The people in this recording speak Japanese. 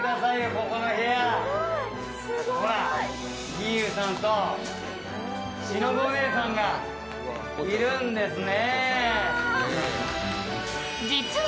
義勇さんとしのぶお姉さんがいるんですね。